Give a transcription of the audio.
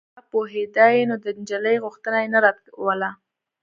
که هغه پوهېدای نو د نجلۍ غوښتنه يې نه ردوله.